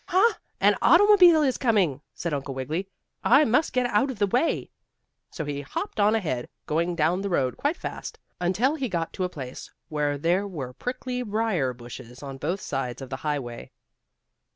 "Ha, an automobile is coming!" said Uncle Wiggily. "I must get out of the way!" So he hopped on ahead, going down the road quite fast, until he got to a place where there were prickly briar bushes on both sides of the highway.